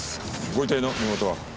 ご遺体の身元は？